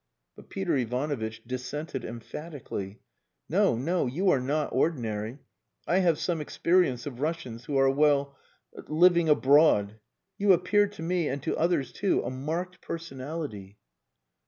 But Peter Ivanovitch dissented emphatically "No! No! You are not ordinary. I have some experience of Russians who are well living abroad. You appear to me, and to others too, a marked personality."